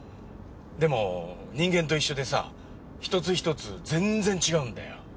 でも人間と一緒でさ一つ一つ全然違うんだよ。